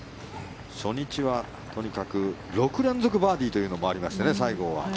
初日はとにかく６連続バーディーというのもありましたね、西郷は。